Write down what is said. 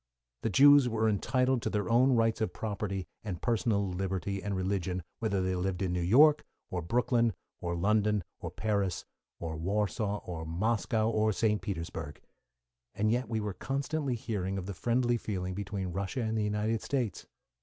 The Jews were entitled to their own rights of property and personal liberty and religion, whether they lived in New York, or Brooklyn, or London, or Paris, or Warsaw, or Moscow, or St. Petersburg. And yet we were constantly hearing of the friendly feeling between Russia and the United States.